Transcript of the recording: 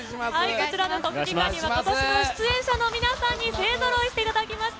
こちらの国技館には、ことしも出演者の皆さんに勢ぞろいしていただきました。